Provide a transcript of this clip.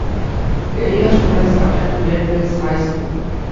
Area students attend Great Mills High School.